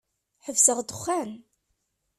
Ḥebseɣ dexxan.